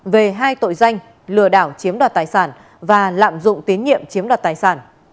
về hai tội danh lừa đảo chiếm đoạt tài sản và lạm dụng tín nhiệm chiếm đoạt tài sản